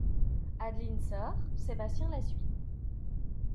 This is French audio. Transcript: Adeline sort, Sébastien la suit.